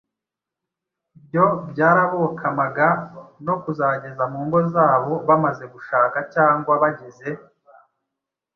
Ibyo byarabokamaga no kuzageza mu ngo zabo bamaze gushaka cyangwa bageze